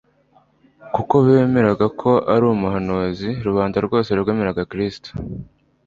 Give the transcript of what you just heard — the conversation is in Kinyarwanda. kuko bemeraga ko ari umuhanuzi." Rubanda rwose rwemeraga Kristo.